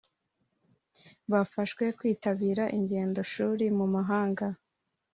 bafashwe kwitabira ingendo shuri mu mahanga